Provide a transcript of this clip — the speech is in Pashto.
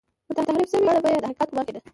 پر تحریف شوې بڼه به یې د حقیقت ګومان کېده.